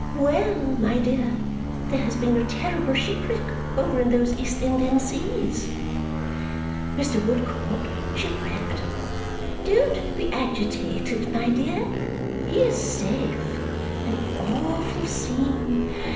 Well, my dear, there has been a terrible shipwreck over in those East Indian seas." "Mr. Woodcourt shipwrecked!" "Don't be agitated, my dear. He is safe. An awful scene.